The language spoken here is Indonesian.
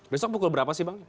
besok pukul berapa sih bang